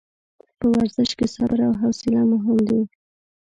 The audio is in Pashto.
په ورزش کې صبر او حوصله مهم دي.